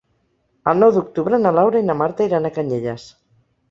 El nou d'octubre na Laura i na Marta iran a Canyelles.